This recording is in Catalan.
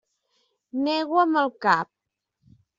Nego amb el cap.